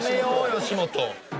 吉本。